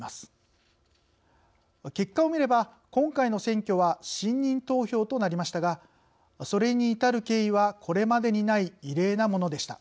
結果を見れば今回の選挙は信任投票となりましたがそれに至る経緯はこれまでにない異例なものでした。